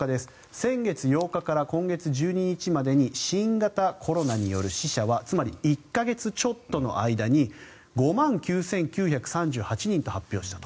先月８日から今月１２日までに新型コロナによる死者はつまり１か月ちょっとの間に５万９９３８人と発表したと。